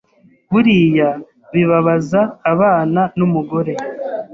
Buriya bibabaza abana n’umugore